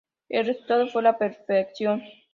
El resultado fue; la perfección.